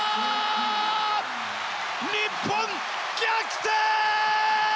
日本逆転！